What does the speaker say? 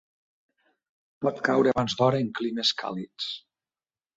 Pot caure abans d'hora en climes càlids.